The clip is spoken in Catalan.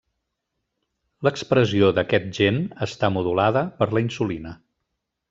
L'expressió d'aquest gen està modulada per la insulina.